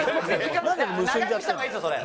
長くした方がいいぞそれ。